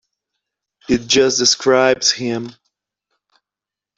It just describes him.